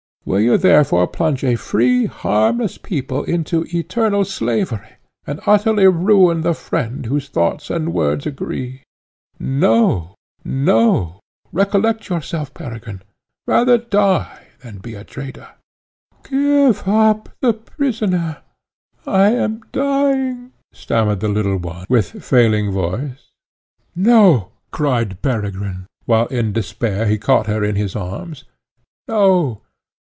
Will you therefore plunge a free, harmless people into eternal slavery, and utterly ruin the friend whose thoughts and words agree? No no recollect yourself, Peregrine! Rather die than be a traitor!" "Give up the prisoner I am dying!" stammered the little one, with failing voice. "No!" cried Peregrine, while in despair he caught her in his arms "No!